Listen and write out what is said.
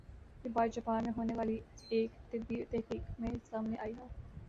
یہ بات جاپان میں ہونے والی ایک طبی تحقیق میں سامنے آئی ہے